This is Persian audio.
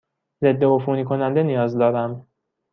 ضدعفونی کننده نیاز دارم.